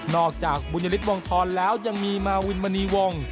จากบุญยฤทธวงธรแล้วยังมีมาวินมณีวง